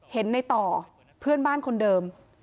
เห็นในต่อเพื่อนบ้านคนเดิม